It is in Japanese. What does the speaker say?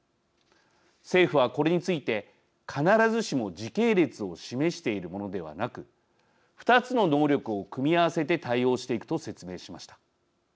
政府はこれについて必ずしも時系列を示しているものではなく２つの能力を組み合わせて対応していくと説明しました。